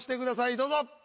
どうぞ。